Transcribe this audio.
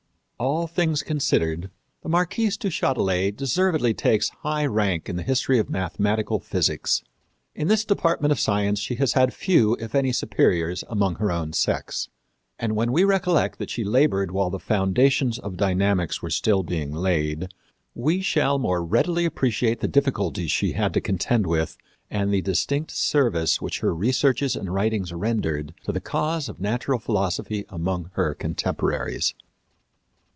All things considered, the Marquise du Châtelet deservedly takes high rank in the history of mathematical physics. In this department of science she has had few, if any, superiors among her own sex. And, when we recollect that she labored while the foundations of dynamics were still being laid, we shall more readily appreciate the difficulties she had to contend with and the distinct service which her researches and writings rendered to the cause of natural philosophy among her contemporaries.